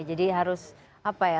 jadi harus apa ya